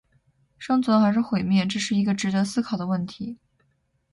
生存还是毁灭，这是一个值得考虑的问题